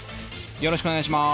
よろしくお願いします。